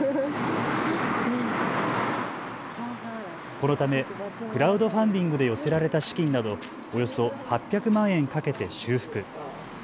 このためクラウドファンディングで寄せられた資金などおよそ８００万円かけて修復。